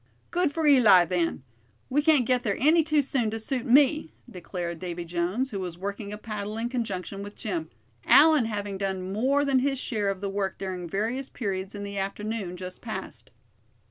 "Good for Eli, then; we can't get there any too soon to suit me," declared Davy Jones, who was working a paddle in conjunction with Jim; Allan having done more than his share of the work during various periods in the afternoon just passed.